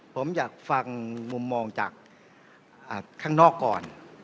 ผมอยากฟังมุมมองจากข้างนอกก่อน